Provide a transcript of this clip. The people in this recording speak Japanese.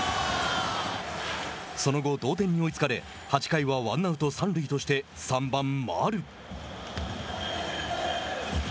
その後、同点に追いつかれ８回はワンアウト、三塁として３番丸。